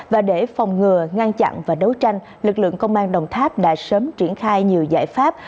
và để phòng ngừa ngăn chặn và đấu tranh lực lượng công an đồng tháp đã sớm triển khai nhiều giải pháp